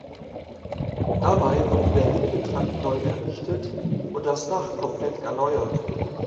Dabei wurde der linke Trakt neu errichtet und das Dach komplett erneuert.